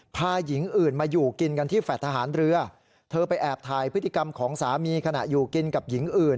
พาหญิงอื่นมาอยู่กินกันที่แฟลตทหารเรือเธอไปแอบถ่ายพฤติกรรมของสามีขณะอยู่กินกับหญิงอื่น